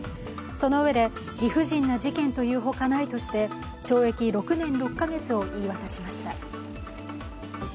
そのうえで、理不尽な事件というほかないとして懲役６年６カ月を言い渡しました。